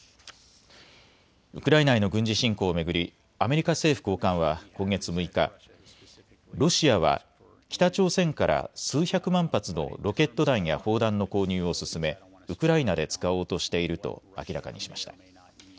ウクライナへの軍事侵攻を巡りアメリカ政府高官は今月６日、ロシアは北朝鮮から数百万発のロケット弾や砲弾の購入を進めウクライナで使おうとしていると明らかにしました。